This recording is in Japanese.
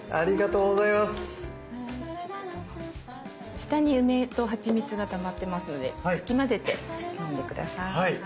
下に梅とはちみつがたまってますのでかき混ぜて飲んで下さい。